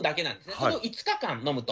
それを５日間飲むと。